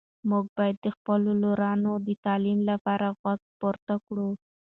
موږ باید د خپلو لورانو د تعلیم لپاره غږ پورته کړو.